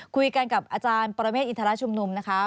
คุยกันกับอาจารย์ปรเมฆอินทรชุมนุมนะคะ